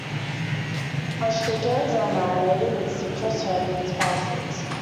Fresh chickens are marinated with citrus, herbs and spices.